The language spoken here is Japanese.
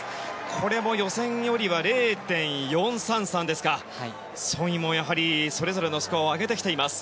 これも予選よりは０．４３３とソン・イもそれぞれのスコアを上げてきています。